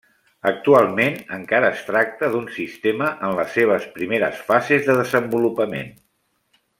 Actualment encara es tracta d’un sistema en les seves primeres fases de desenvolupament.